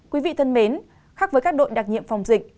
quý vị thân mến khác với các đội đặc nhiệm phòng dịch